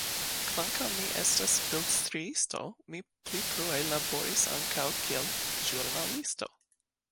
Kvankam mi estas bildstriisto, mi pli frue laboris ankaŭ kiel ĵurnalisto.